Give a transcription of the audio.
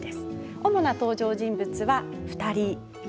主な登場人物は２人です。